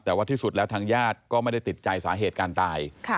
แต่ว่าที่สุดแล้วทางญาติก็ไม่ได้ติดใจสาเหตุการตาย